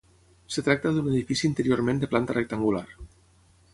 Es tracta d'un edifici interiorment de planta rectangular.